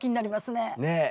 ねえ！